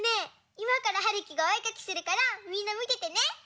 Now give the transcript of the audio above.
いまからはるきがおえかきするからみんなみててね！